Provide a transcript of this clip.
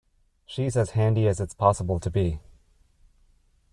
She's as handy as it's possible to be.